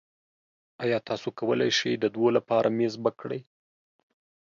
ایا تاسو کولی شئ د دوو لپاره میز بک کړئ؟